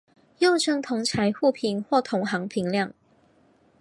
又称为同侪互评或同行评量。